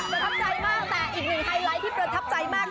ประทับใจมากแต่อีกหนึ่งไฮไลท์ที่ประทับใจมาก